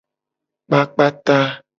Kpakpa ta.